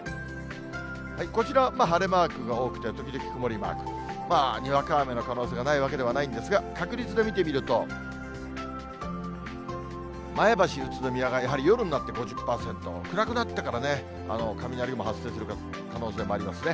こちらは晴れマークが多くて、時々曇りマーク。にわか雨の可能性がないわけではないんですが、確率で見てみると、前橋、宇都宮がやはり夜になって５０％、暗くなってから雷雲発生する可能性もありますね。